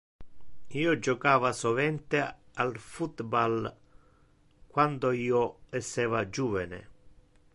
Io jocava sovente al football quando io esseva juvene.